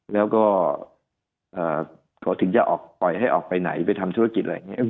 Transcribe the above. แล้วก็เขาถึงจะออกปล่อยให้ออกไปไหนไปทำธุรกิจอะไรอย่างนี้